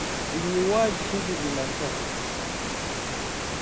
vinyiwaji hivi vinafaa